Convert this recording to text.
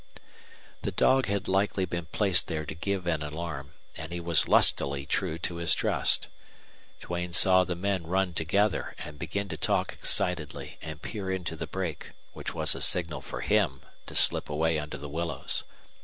The dog had likely been placed there to give an alarm, and he was lustily true to his trust. Duane saw the men run together and begin to talk excitedly and peer into the brake, which was a signal for him to slip away under the willows.